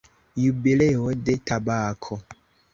Jubileo de tabako.